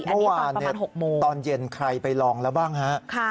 เมื่อวานตอนเย็นใครไปลองแล้วบ้างฮะ